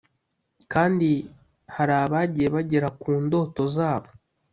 kandi hari abagiye bagera ku ndoto zabo